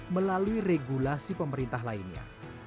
melalui regulasi pemerintah lainnya